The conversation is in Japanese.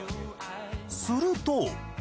すると。